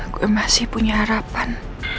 gue masih punya harapan